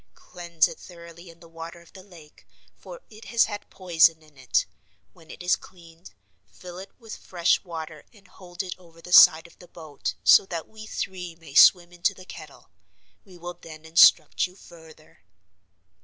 Cleanse it thoroughly in the water of the lake, for it has had poison in it. When it is cleaned, fill it with fresh water and hold it over the side of the boat, so that we three may swim into the kettle. We will then instruct you further."